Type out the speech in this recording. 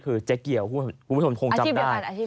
คือเจ๊เกี่ยวคุณผู้ชมคงจำได้